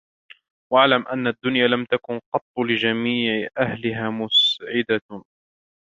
وَاعْلَمْ أَنَّ الدُّنْيَا لَمْ تَكُنْ قَطُّ لِجَمِيعِ أَهْلِهَا مُسْعِدَةً